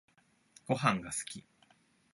ごはんが好き